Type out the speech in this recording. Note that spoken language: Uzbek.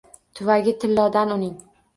Tuvagi tillodan uning